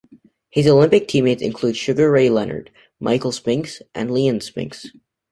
His Olympic teammates included Sugar Ray Leonard, Michael Spinks and Leon Spinks.